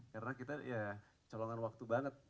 karena kita ya colongan waktu banget